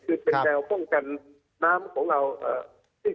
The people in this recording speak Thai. คือเป็นแนวป้องกันน้ำของเรา